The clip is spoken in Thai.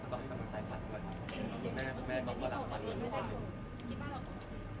คุณแม่ก็เป็นหลักฝาคีมในความรู้ที่บ้านก็คุณรู้